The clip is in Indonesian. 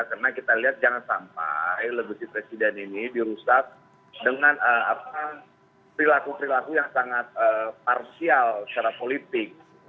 karena kita lihat jangan sampai legusi presiden ini dirusak dengan apa perilaku perilaku yang sangat parsial secara politik